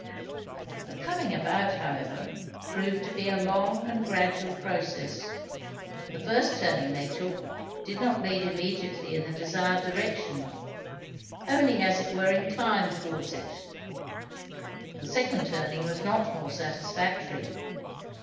The coming about, however, proved to be a long and gradual process. The first turning they took did not lead immediately in the desired direction, only as it were inclined towards it; the second turning was not more satisfactory.